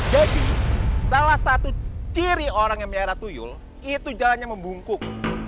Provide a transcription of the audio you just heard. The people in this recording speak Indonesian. jadi salah satu ciri orang yang merah tuyul itu jalannya membungkuk